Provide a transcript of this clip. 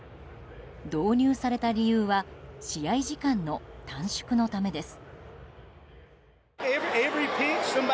導入された理由は試合時間の短縮のためです。